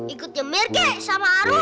ikut nyemir gek sama aru